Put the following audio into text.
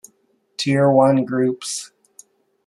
Tier One groups.